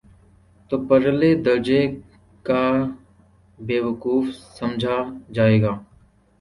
تو پرلے درجے کا بیوقوف سمجھا جائے گا۔